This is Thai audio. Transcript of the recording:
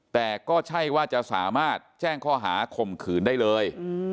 แต่ก็ใช่ว่าจะสามารถแจ้งข้อหาข่มขืนได้เลย